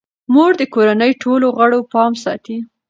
مور د کورنۍ ټولو غړو پام ساتي.